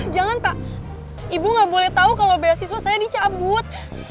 jangan pak ibu nggak boleh tahu kalau beasiswa saya dicabut